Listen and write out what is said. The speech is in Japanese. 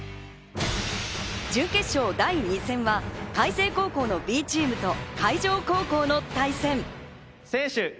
準決勝第２戦は、開成高校のＢチームと海城高校の対戦。